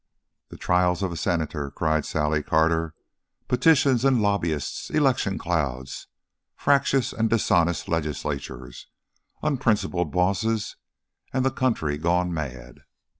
"The trials of a Senator!" cried Sally Carter. "Petitions and lobbyists, election clouds, fractious and dishonest legislatures, unprincipled bosses and the country gone mad!"